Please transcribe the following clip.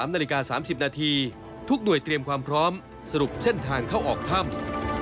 ๓นาฬิกา๓๐นาทีทุกหน่วยเตรียมความพร้อมสรุปเส้นทางเข้าออกถ้ำ